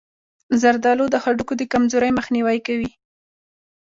زردآلو د هډوکو د کمزورۍ مخنیوی کوي.